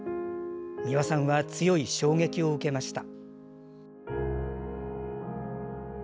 美輪さんは強い衝撃を受けました。